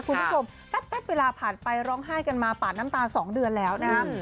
คุณผู้ชมแป๊ปเวลาผ่านไปร้องไห้กันมาปากน้ำตาลสองเดือนแล้วนะ